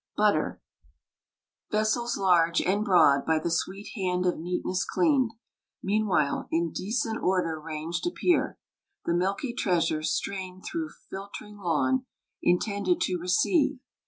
BUTTER. Vessels large And broad, by the sweet hand of neatness clean'd, Meanwhile, in decent order ranged appear, The milky treasure, strain'd thro' filtering lawn, Intended to receive.